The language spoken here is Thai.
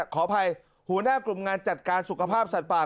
ขออภัยหัวหน้ากลุ่มงานจัดการสุขภาพสัตว์ป่า